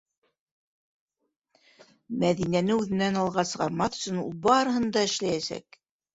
Мәҙинәне үҙенән алға сығармаҫ өсөн ул барыһын да эшләйәсәк!